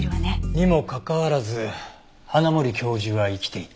にもかかわらず花森教授は生きていた。